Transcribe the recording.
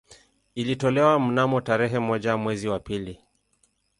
Ilitolewa mnamo tarehe moja mwezi wa pili